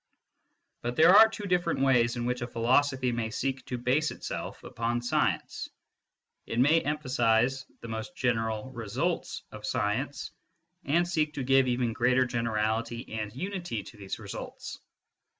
But there are two different ways in which a philosophy may seek to base itself upon science. It may emphasise the most general results^oi science, and see! Tto_giye~even greater generality and unity to these results.